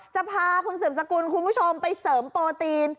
จะพาคุณสืบสกุลคุณผู้ชมไปเสริมโปรตีน